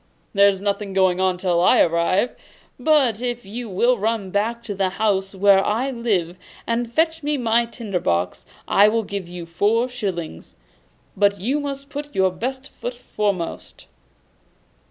'There's nothing going on till I arrive. But if you will run back to the house where I lived, and fetch me my tinder box, I will give you four shillings. But you must put your best foot foremost.